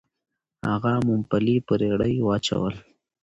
هغه ممپلي په رېړۍ واچول. .